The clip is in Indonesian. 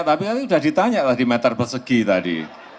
tapi udah ditanya lah di meter persegi tadi